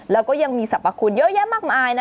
แล้วก็ยังมีสรรพคุณเยอะแยะมากมายนะ